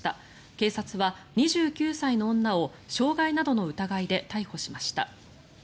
警察は２９歳の女を傷害などの疑いで逮捕しました。